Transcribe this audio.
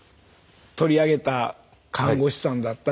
取り上げた看護師さんだったり。